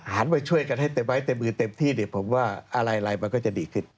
หันมาช่วยกันให้เต็มมือเต็มที่ผมว่าอะไรมันก็จะดีขึ้น